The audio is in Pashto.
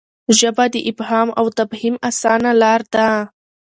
ژبه د افهام او تفهیم اسانه لار ده.